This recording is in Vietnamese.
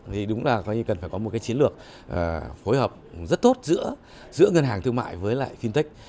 thì đúng là coi như cần phải có một cái chiến lược phối hợp rất tốt giữa ngân hàng thương mại với lại fintech